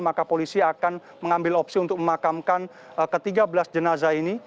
maka polisi akan mengambil opsi untuk memakamkan ke tiga belas jenazah ini